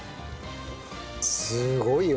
すごいよ。